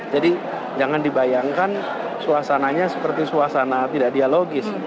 jadi jangan dibayangkan suasananya seperti suasana tidak dialogis